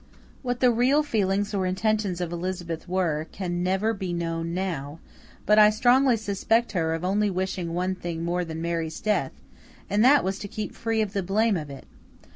What the real feelings or intentions of Elizabeth were, can never be known now; but I strongly suspect her of only wishing one thing more than Mary's death, and that was to keep free of the blame of it.